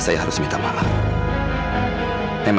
dan aku juga paci kalau camelim